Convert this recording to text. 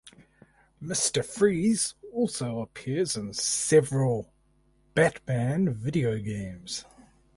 Mister Freeze also appears in several "Batman" video games.